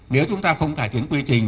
nếu chúng ta không cải tiến quy trình